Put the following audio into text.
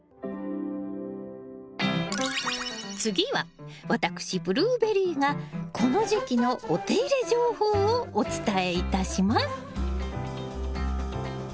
次は私ブルーベリーがこの時期のお手入れ情報をお伝えいたします。